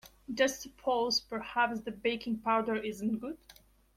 Just suppose perhaps the baking powder isn’t good?